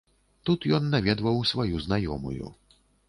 Тут ён наведваў сваю знаёмую.